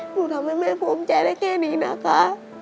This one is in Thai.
หนูทำให้แม่ภูมิใจได้แค่นี้นะคะ